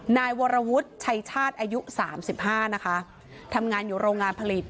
นายวรรวุฒิชายชาติอายุ๓๕นะคะทำงานอยู่โรงงานผลิต